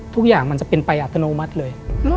ทุกอย่างมันจะเป็นไปอัตโนมัติเลย